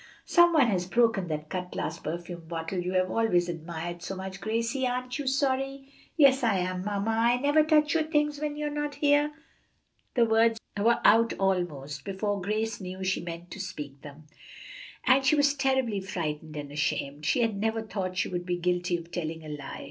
"Some one has broken that cut glass perfume bottle you have always admired so much, Gracie. Aren't you sorry?" "Yes, I am, mamma. I never touch your things when you're not here." The words were out almost before Grace knew she meant to speak them, and she was terribly frightened and ashamed. She had never thought she would be guilty of telling a lie.